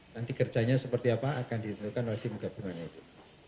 nanti kerjanya seperti apa akan ditentukan oleh tim gabungan itu